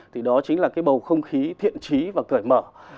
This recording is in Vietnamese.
thì đó chính là cái bầu không khí thiện trí và cởi mở